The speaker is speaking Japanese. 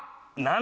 何？